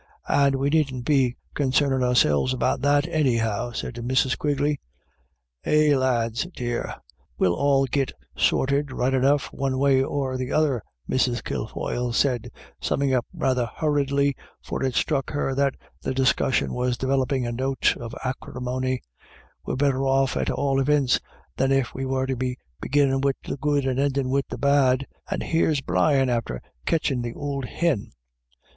" And we needn't be consarnin' ourselves about that, anyhow," said Mrs. Quigley. 11 Eh, lads dear, we'll all git sorted right enough one way or the other," Mrs. Kilfoyle said, summing J BACKWARDS AND FORWARDS. 261 up rather hurriedly, for it struck her that the dis cussion was developing a note of acrimony ;" we're better off at all ivints than if we were to be beginnin' wid the good, and endin* wid the bad — And here's Brian after catchin' th'ould hin."